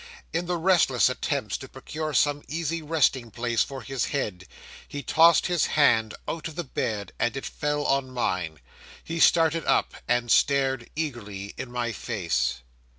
In the restless attempts to procure some easy resting place for his head, he tossed his hand out of the bed, and it fell on mine. He started up, and stared eagerly in my face.